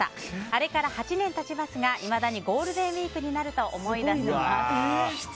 あれから８年経ちますがいまだにゴールデンウィークになると思い出します。